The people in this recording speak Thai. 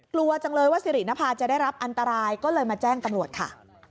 กลัวจังเลยว่าสิรินภาจะได้รับอันตรายก็เลยมาแจ้งตำรวจค่ะ